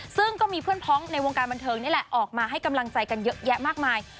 ซึ่งก็มีเพื่อนพ้องในวงการบันเทิงนี่แหละออกมาให้กำลังใจกันเยอะแยะมากมาย